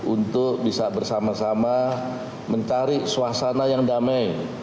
untuk bisa bersama sama mencari suasana yang damai